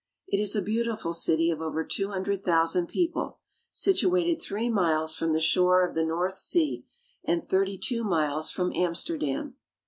It is a beautiful city of over two hundred thousand people, situated three miles IN THE DUTCH CITIES. 1 53 from the shore of the North Sea and thirty two miles from Amsterdam.